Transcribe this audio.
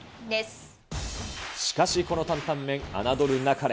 しかしこの担々麺、侮るなかれ。